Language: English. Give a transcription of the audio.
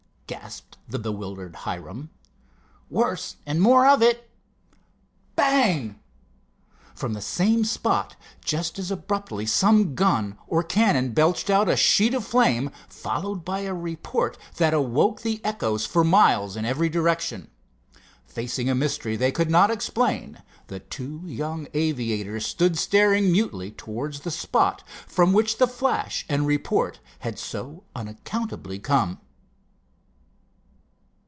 gasped the bewildered Hiram. "Worse, and more of it!" Bang! From the same spot, just as abruptly, some gun or cannon belched out a sheet of flame, followed by a report that awoke the echoes for miles in every direction. Facing a mystery they could not explain, the two young aviators stood staring mutely towards the spot from which flash and report had so unaccountably come.